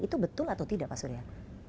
itu betul atau tidak pak surya